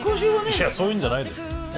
いやそういうんじゃないでしょ。え？